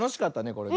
これね。